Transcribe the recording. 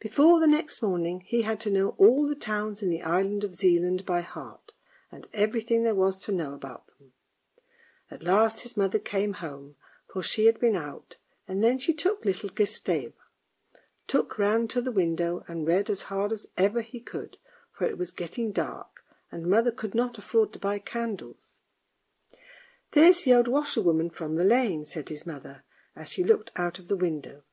Before the next morning he had to know all the towns in the island of Zealand by heart, and everything there was to know about them. At last his mother came home, for she had been out, and then she took little Gustave. Tuk ran to the window and read as hard as ever he could, for it was getting dark, and mother could not afford to buy candles. " There's the old washerwoman from the lane," said his mother, as she looked out of the window.